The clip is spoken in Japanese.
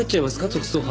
特捜班。